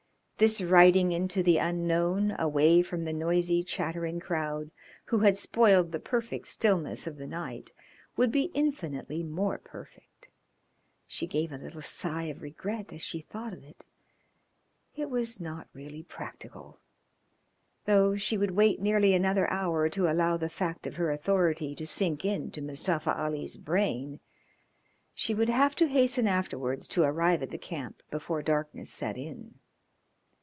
This riding into the unknown away from the noisy, chattering crowd who had spoiled the perfect stillness of the night would be infinitely more perfect. She gave a little sigh of regret as she thought of it. It was not really practical. Though she would wait nearly another hour to allow the fact of her authority to sink into Mustafa Ali's brain she would have to hasten afterwards to arrive at the camp before darkness set in.